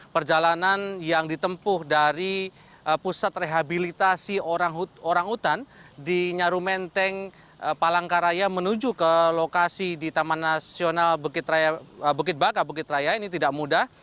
perjalanan yang ditempuh dari pusat rehabilitasi orang utan di nyaru menteng palangkaraya menuju ke lokasi di taman nasional bukit baka bukit raya ini tidak mudah